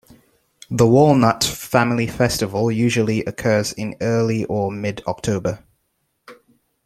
The Walnut Family Festival usually occurs in early or mid-October.